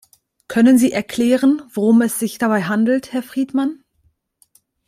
Könnten Sie erklären, worum es sich dabei handelt, Herr Friedmann?